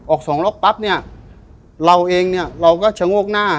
สองล็อกปั๊บเนี่ยเราเองเนี่ยเราก็ชะโงกหน้า